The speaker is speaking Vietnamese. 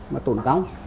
mà tổn tóc